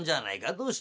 どうした？」。